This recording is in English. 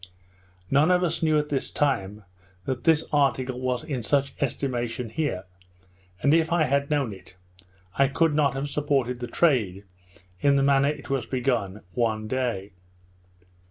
None of us knew at this time, that this article was in such estimation here; and, if I had known it, I could not have supported the trade, in the manner it was begun, one day.